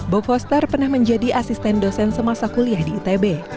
bob foster pernah menjadi asisten dosen semasa kuliah di itb